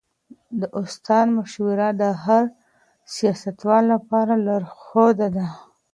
د استاد مشوره د هر سياستوال لپاره لارښود ده.